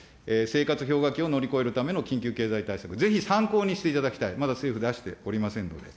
氷河期を乗り越えるための緊急経済対策、ぜひ参考にしていただきたい、まだ政府、出しておりませんので。